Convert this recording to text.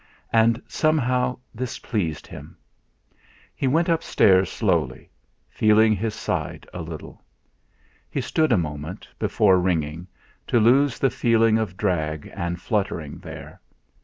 And somehow this pleased him. He went upstairs slowly, feeling his side a little. He stood a moment, before ringing, to lose the feeling of drag and fluttering there.